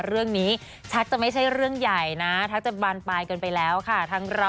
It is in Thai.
เรื่องนี้ชักจะไม่ใช่เรื่องใหญ่นะชักจะบานปลายเกินไปแล้วค่ะทั้งเรา